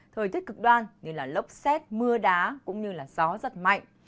thời thức cực đoan như lốc xét mưa đá cũng như gió rất mạnh